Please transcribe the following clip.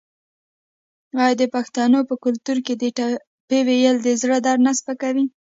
آیا د پښتنو په کلتور کې د ټپې ویل د زړه درد نه سپکوي؟